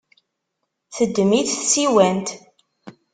Teddem-it tsiwant.